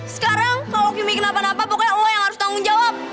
sekarang kalau kimi kenapa napa pokoknya oh yang harus tanggung jawab